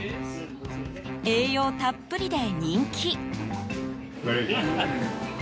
栄養たっぷりで人気。